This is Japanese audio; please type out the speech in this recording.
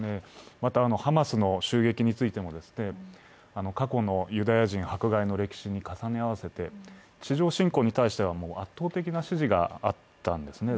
また、ハマスの襲撃についても、過去のユダヤ人迫害の歴史に重ね合わせて、地上侵攻に対しては圧倒的な支持があったんですね。